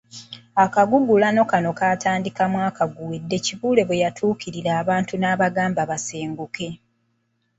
Akagugulano kano kaatandika mwaka guwedde Kibuule bwe yatuukirira abantu n'abagamba basenguke.